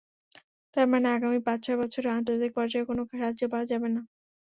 তার মানে আগামী পাঁচ-ছয় বছরে আন্তর্জাতিক পর্যায়ে কোনো সাহায্য পাওয়া যাবে না।